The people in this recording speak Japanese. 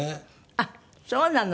あっそうなの。